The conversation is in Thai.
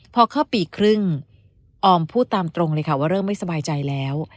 พอเข้าปีครึ่งออมพูดตามตรงเลยค่ะว่าเริ่มไม่สบายใจแล้ว